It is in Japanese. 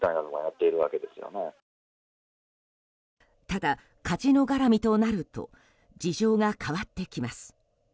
ただカジノ絡みとなると事情が変わってきます。